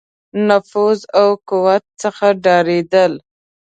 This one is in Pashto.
نفوذ او قوت څخه ډارېدل.